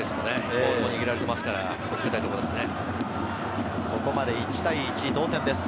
ボールも握られていますから気を付けたいところですね。